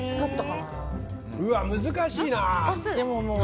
うわ、難しいな。